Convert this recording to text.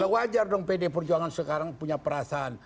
wajar dong pdi perjuangan sekarang punya perasaan